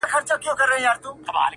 چي کاته چي په کتو کي را ايسار دي!